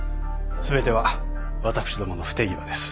全ては私どもの不手際です。